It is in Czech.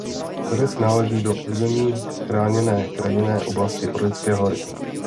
Vrch náleží do území chráněné krajinné oblasti Orlické hory.